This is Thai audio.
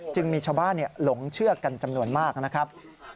มีชาวบ้านหลงเชื่อกันจำนวนมากนะครับ